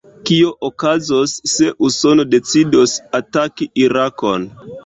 Kio okazos, se Usono decidos ataki Irakon?